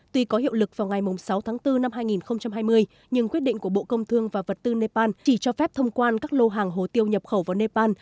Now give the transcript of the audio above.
tuy có hiệu lực vào ngày sáu tháng bốn năm hai nghìn hai mươi nhưng quyết định của bộ công thương và vật tư nepal chỉ cho phép thông quan các lô hàng hồ tiêu nhập khẩu vào nepal